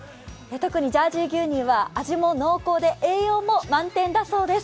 特にジャージー牛乳は味も濃厚で栄養も満点だそうです。